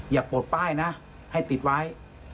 อย่าปวดป้ายนะให้ติดไว้